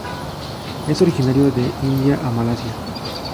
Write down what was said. Es originario de India a Malasia.